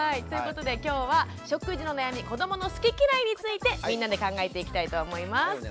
ということできょうは食事の悩み子どもの好き嫌いについてみんなで考えていきたいと思います。